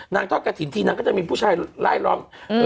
นางท่อกระถิ่นทีนางก็จะมีผู้ชายร้ายร้อง